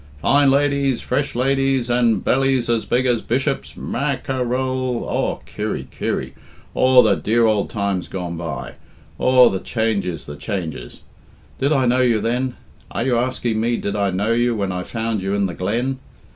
Fine ladies, fresh ladies, and bellies as big as bishops Mack er el!' Aw, Kirry, Kirry! Aw, the dear ould times gone by! Aw, the changes, the changes!... Did I know you then? Are you asking me did I know you when I found you in the glen?